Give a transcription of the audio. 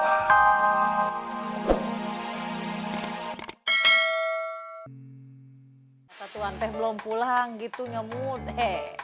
satu satu ante belum pulang gitu nyamuk deh